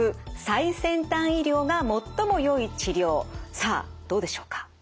さあどうでしょうか？